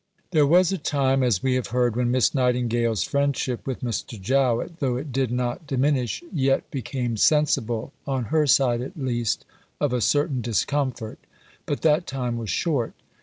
III There was a time, as we have heard, when Miss Nightingale's friendship with Mr. Jowett, though it did not diminish, yet became sensible, on her side at least, of a certain discomfort; but that time was short.